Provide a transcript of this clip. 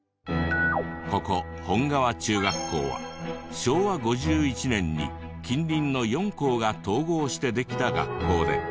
ここ本川中学校は昭和５１年に近隣の４校が統合してできた学校で。